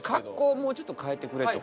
もうちょっと変えてくれとか。